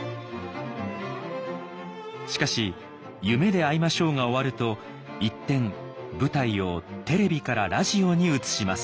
しかし「夢であいましょう」が終わると一転舞台をテレビからラジオに移します。